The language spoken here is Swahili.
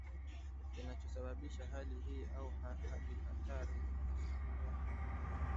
Kinachosababisha hali hii au Hali hatari zinazochangia maambukizi